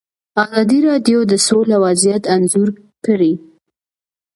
ازادي راډیو د سوله وضعیت انځور کړی.